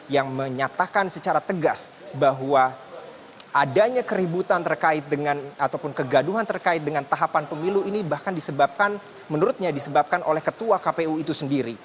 yang menyatakan secara tegas bahwa adanya keributan terkait dengan ataupun kegaduhan terkait dengan tahapan pemilu ini bahkan disebabkan menurutnya disebabkan oleh ketua kpu itu sendiri